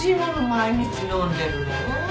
毎日飲んでるの？